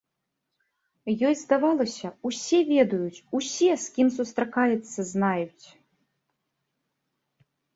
Ёй здавалася, усе ведаюць, усе, з кім сустракаецца, знаюць.